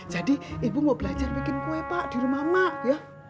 jadi ibu mau belajar bikin kue pak di rumah emak ya